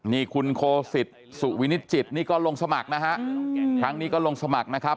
นี่คุณโคสิตสุวินิจจิตนี่ก็ลงสมัครนะครับ